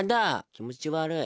気持ち悪い。